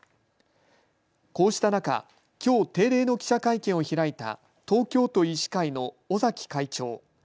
こうした中、きょう定例の記者会見を開いた東京都医師会の尾崎会長。